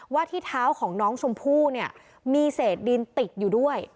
แม่น้องชมพู่แม่น้องชมพู่